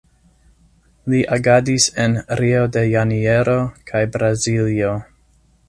Li agadis en Rio de Janeiro kaj Braziljo.